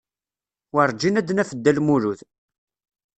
Werǧin ad d-naf Dda Lmulud.